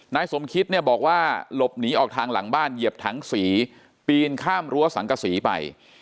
นายสมคิตเนี่ยบอกว่าหลบหนีออกทางหลังบ้านเหยียบถังสีปีนข้ามรั้วสังกษีไป